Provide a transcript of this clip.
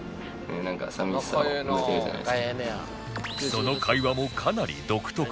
その会話もかなり独特で